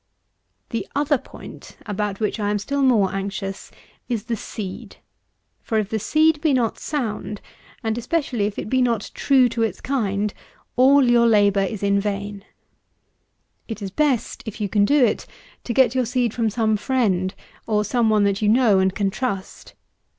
128. The other point (about which I am still more anxious) is the seed; for if the seed be not sound, and especially if it be not true to its kind, all your labour is in vain. It is best, if you can do it, to get your seed from some friend, or some one that you know and can trust.